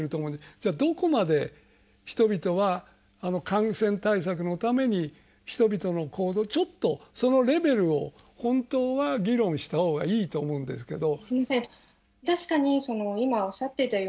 じゃあどこまで、人々は感染対策のために人々の行動ちょっとそのレベルを本当は議論したほうがいいと思うんですけど。